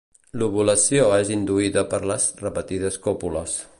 L'ovulació és induïda per les repetides còpules.